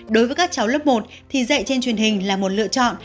đối với các cháu lớp một thì dạy trên truyền hình là một lựa chọn